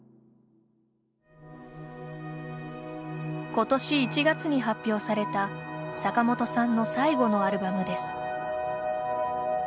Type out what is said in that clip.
今年１月に発表された坂本さんの最後のアルバムです。